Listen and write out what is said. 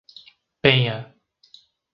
Penha